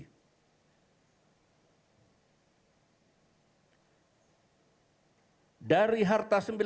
sementara kita mengambil kesempatan